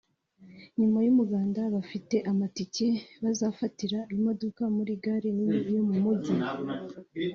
nyuma y’umuganda abafite amatike bazafatira imodoka muri gare nini yo mu Mujyi